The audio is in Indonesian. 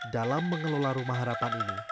dalam mengelola rumah harapan ini